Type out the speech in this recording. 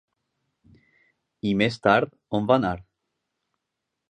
I més tard on va anar?